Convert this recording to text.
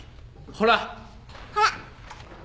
ほら。